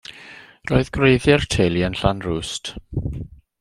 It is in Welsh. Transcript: Roedd gwreiddiau'r teulu yn Llanrwst.